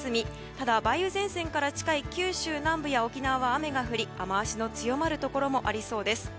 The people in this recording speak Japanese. ただ梅雨前線から近い九州南部や沖縄は雨が降り雨脚の強まるところもありそうです。